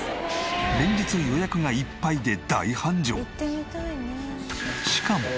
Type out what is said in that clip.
連日予約がいっぱいで大繁盛！